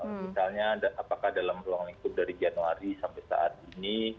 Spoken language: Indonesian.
misalnya apakah dalam ruang lingkup dari januari sampai saat ini